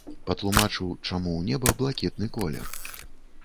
Патлумачыў чаму ў неба блакітны колер.